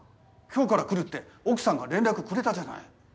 今日から来るって奥さんが連絡くれたじゃない。